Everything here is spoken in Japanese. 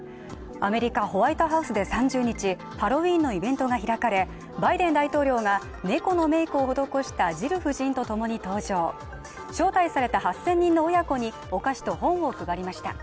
アメリカ・ホワイトハウスで３０日ハロウィーンのイベントが開かれバイデン大統領が猫のメイクを施したジル夫人とともに登場招待された８０００人の親子にお菓子と本を配りました